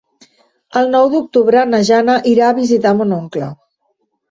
El nou d'octubre na Jana irà a visitar mon oncle.